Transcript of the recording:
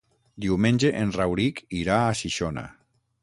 Diumenge en Rauric irà a Xixona.